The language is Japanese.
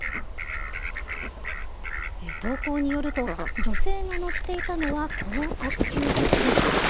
投稿によると、女性が乗っていたのはこの特急列車。